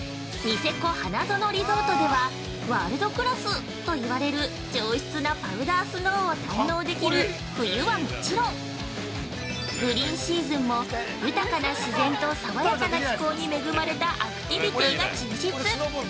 「ニセコ ＨＡＮＡＺＯＮＯ リゾート」では、ワールドクラス！と言われる上質なパウダースノーを堪能できる冬はもちろんグリーンシーズンも豊かな自然と爽やかな気候に恵まれたアクティビティーが充実